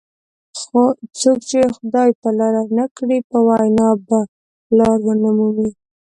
څوک چې خدای په لار نه کړي په وینا به لار ونه مومي.